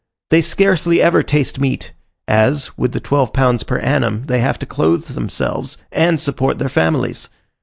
They scarcely ever taste meat; as, with the twelve pounds per annum, they have to clothe themselves, and support their families.